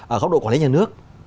ở góc độ quản lý nhà nước